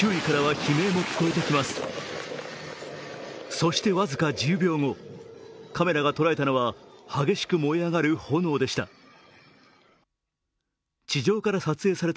そして僅か１０秒後、カメラがとらえたのは激しく燃え上がる炎でした。